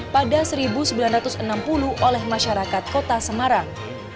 pada seribu sembilan ratus enam puluh oleh masyarakat kota semarang